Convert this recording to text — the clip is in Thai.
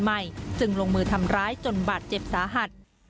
ใหม่จึงลงมือทำร้ายจนบาดเจ็บสาหัส